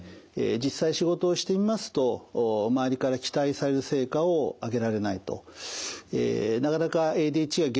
実際仕事をしてみますと周りから期待される成果を上げられないと。